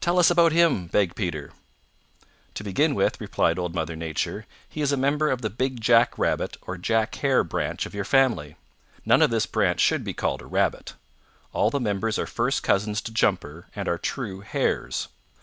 "Tell us about him," begged Peter. "To begin with," replied Old Mother Nature, "he is a member of the big Jack Rabbit or Jack Hare branch of your family. None of this branch should be called a Rabbit. All the members are first cousins to Jumper and are true Hares.